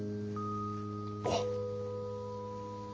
おう。